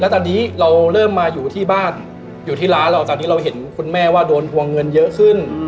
ตอนนี้เราเริ่มมาอยู่ที่บ้านอยู่ที่ร้านแล้วตอนนี้เราเห็นคุณแม่ว่าโดนทวงเงินเยอะขึ้น